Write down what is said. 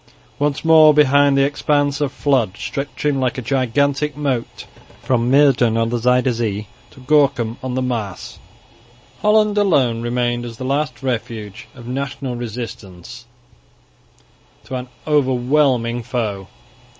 Once more behind this expanse of flood, stretching like a gigantic moat from Muiden on the Zuyder Zee to Gorkum on the Maas, Holland alone remained as the last refuge of national resistance to an overwhelming foe.